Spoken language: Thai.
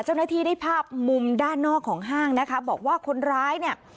เจ้าหน้าที่ได้ภาพมุมด้านนอกของห้างนะคะบอกว่าคนร้ายเนี่ย